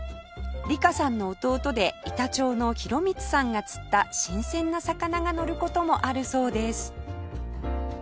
里香さんの弟で板長の宏光さんが釣った新鮮な魚がのる事もあるそうです